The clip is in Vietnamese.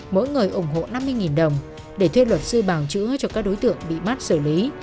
mỗi người ủng hộ năm mươi đồng để thuê luật sư bảng chữ cho các đối tượng bị mát xử lý